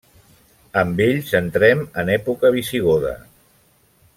Amb ells entrem en època visigoda.